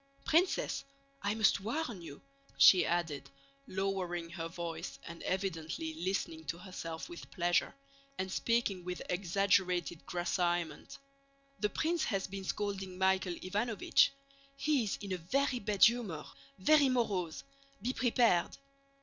"Princess, I must warn you," she added, lowering her voice and evidently listening to herself with pleasure, and speaking with exaggerated grasseyement, "the prince has been scolding Michael Ivánovich. He is in a very bad humor, very morose. Be prepared."